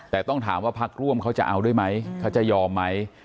แต่ต้องถามว่าพักร่วมเขาจะเอาด้วยไหมเขาจะยอมไหม